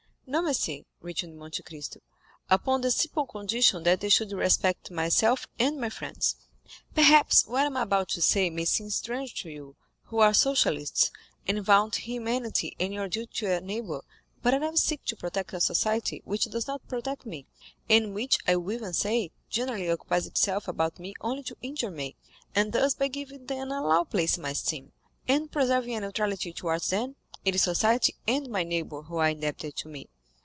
"No, monsieur," returned Monte Cristo "upon the simple condition that they should respect myself and my friends. Perhaps what I am about to say may seem strange to you, who are socialists, and vaunt humanity and your duty to your neighbor, but I never seek to protect a society which does not protect me, and which I will even say, generally occupies itself about me only to injure me; and thus by giving them a low place in my esteem, and preserving a neutrality towards them, it is society and my neighbor who are indebted to me."